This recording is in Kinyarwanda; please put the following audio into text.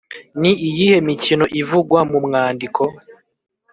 ni iyihe mikino ivugwa mu mwandiko?